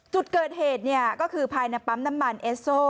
จุดเกิดเหตุก็คือภายในปั๊มน้ำมันเอสโซ